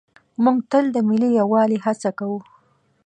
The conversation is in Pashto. موږ تل د ملي یووالي هڅه کوو.